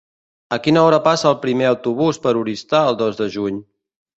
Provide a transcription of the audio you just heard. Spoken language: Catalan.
A quina hora passa el primer autobús per Oristà el dos de juny?